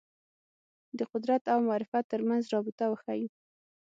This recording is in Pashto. د قدرت او معرفت تر منځ رابطه وښييو